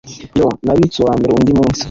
yoo, nabitse uwambere undi munsi!